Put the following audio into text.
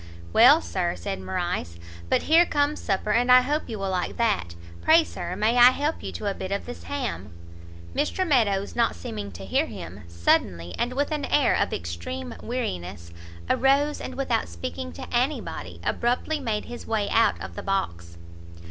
"Well, Sir," said Morrice, "but here comes supper, and I hope you will like that. Pray Sir, may I help you to a bit of this ham?" Mr Meadows, not seeming to hear him, suddenly, and with an air of extreme weariness, arose, and without speaking to anybody, abruptly made his way out of the box.